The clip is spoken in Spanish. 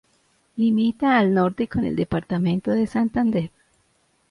Limita al norte con el departamento de Santander.